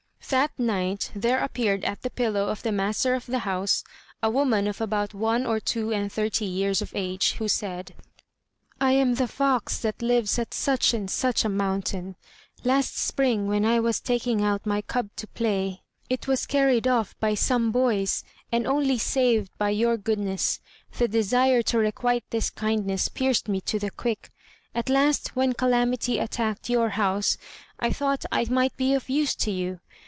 That night there appeared at the pillow of the master of the house a woman of about one or two and thirty years of age, who said: "I am the fox that lives at such and such a mountain. Last spring, when I was taking out my cub to play, it was carried off by some boys, and only saved by your goodness. The desire to requite this kindness pierced me to the quick. At last, when calamity attacked your house, I thought I might be of use to you.